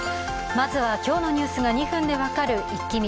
まずは今日のニュースが２分で分かるイッキ見。